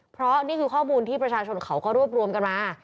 เพราะนี่คือข้อมูลที่ประชาชนเขาก็รวบรวมกันมา